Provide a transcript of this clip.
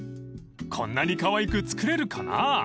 ［こんなにかわいく作れるかな？］